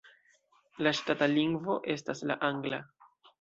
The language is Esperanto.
La ŝtata lingvo estas la angla.